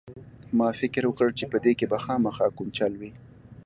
ما فکر وکړ چې په دې کښې به خامخا کوم چل وي.